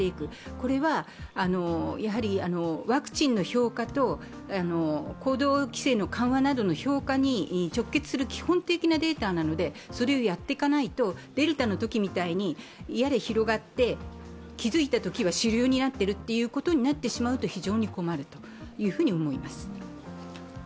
これはワクチンの評価と行動規制の緩和などの評価に直結する基本的なデータなのでそれをやっていかないと、デルタのときみたいにやれ広がって、気づいたときは主流になっているということになってしまうと非常に困ると思います。